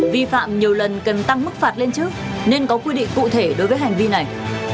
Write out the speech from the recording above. vi phạm nhiều lần cần tăng mức phạt lên trước nên có quy định cụ thể đối với hành vi này